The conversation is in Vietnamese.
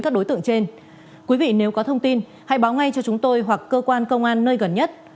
các đối tượng trên quý vị nếu có thông tin hãy báo ngay cho chúng tôi hoặc cơ quan công an nơi gần nhất